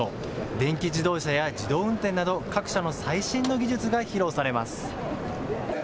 電気自動車や自動運転など各社の最新の技術が披露されます。